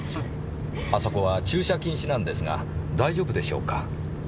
あそこは駐車禁止なんですが大丈夫でしょうか？